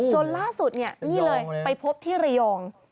จนล่าสุดเนี่ยนี่เลยไปพบที่ระยอง